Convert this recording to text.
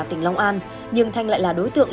tỉnh long an nhưng thành lại là đối tượng